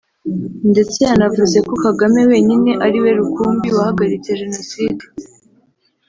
ndetse yanavuze ko Kagame wenyine ari we rukumbi wahagaritse Genocide